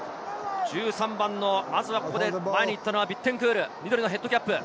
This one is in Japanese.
前に行ったのはビッテンクール、緑のヘッドキャップ。